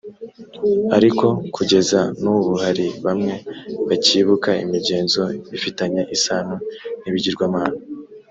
ariko kugeza n’ubu hari bamwe bacyibuka imigenzo ifitanye isano n’ibigirwamana